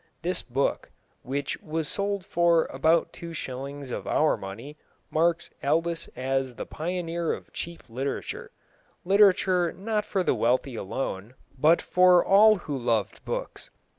This book, which was sold for about two shillings of our money, marks Aldus as the pioneer of cheap literature literature not for the wealthy alone, but for all who loved books.